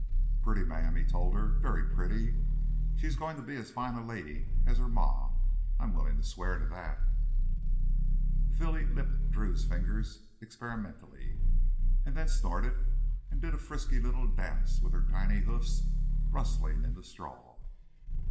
"Pretty, ma'am," he told her. "Very pretty. She's goin' to be as fine a lady as her ma—I'm willin' to swear to that." The filly lipped Drew's fingers experimentally and then snorted and did a frisky little dance with her tiny hoofs rustling in the straw.